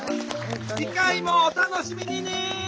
次回もお楽しみに！